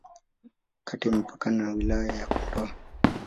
Kata imepakana na Wilaya ya Kondoa.